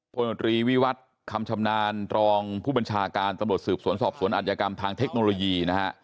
พลตรีวิวัตรคำชำนาญรองผู้บัญชาการตำรวจสืบสวนสอบสวนอัธยกรรมทางเทคโนโลยีนะฮะ